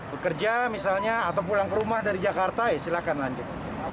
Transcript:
bekerja misalnya atau pulang ke rumah dari jakarta ya silahkan lanjut